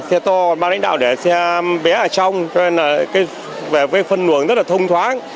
xe to ban đánh đạo để xe bé ở trong cho nên là cái phân luận rất là thông thoáng